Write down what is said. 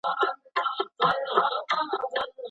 په قلم خط لیکل د زده کړي د بهیر تر ټولو باوري میتود دی.